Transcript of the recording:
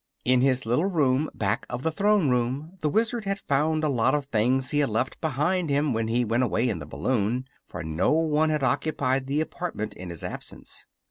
In his little room back of the Throne Room the Wizard had found a lot of things he had left behind him when he went away in the balloon, for no one had occupied the apartment in his absence.